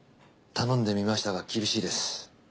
頼んでみましたが厳しいです。